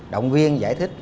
động viên giải thích